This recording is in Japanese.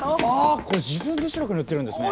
ああこれ自分で白く塗ってるんですね。